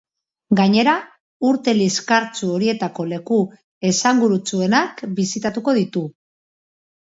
Gainera, urte liskartsu horietako leku esanguratsuenak bisitatuko ditu.